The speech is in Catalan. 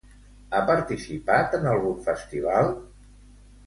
Ha participat en algun festival?